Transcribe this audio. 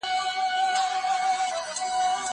زه مېوې راټولې کړي دي؟